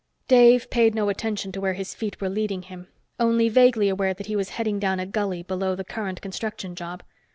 Dave paid no attention to where his feet were leading him, only vaguely aware that he was heading down a gully below the current construction job.